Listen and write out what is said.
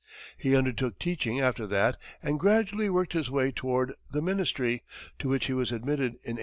He undertook teaching after that, and gradually worked his way toward the ministry, to which he was admitted in 1837.